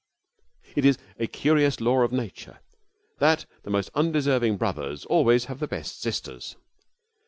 It is a curious law of Nature that the most undeserving brothers always have the best sisters.